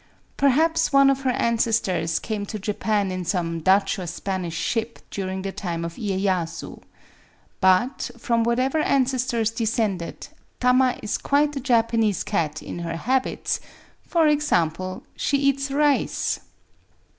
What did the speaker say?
Perhaps one of her ancestors came to Japan in some Dutch or Spanish ship during the time of lyeyasu. But, from whatever ancestors descended, Tama is quite a Japanese cat in her habits ;— for example, she eats rice